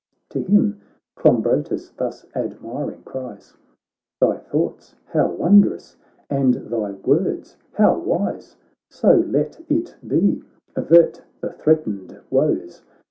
To him Clombrotus thus admiring cries :' Thy thoughts how wondrous, and thy words how wise ! So let it be, avert the threatened woes.